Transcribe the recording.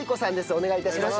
お願い致します。